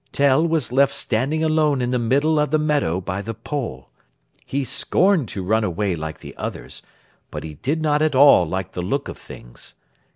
Tell was left standing alone in the middle of the meadow by the pole. He scorned to run away like the others, but he did not at all like the look of things.